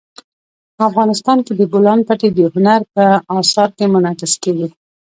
افغانستان کې د بولان پټي د هنر په اثار کې منعکس کېږي.